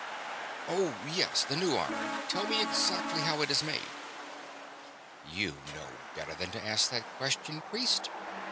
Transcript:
"Oh, yes, the new iron. Tell me exactly how it is made." "You know better than to ask that question, priest.